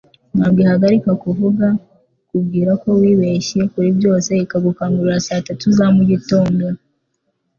Ntabwo ihagarika kuvuga, ikubwira ko wibeshye kuri byose, ikagukangura saa tatu za mu gitondo. ”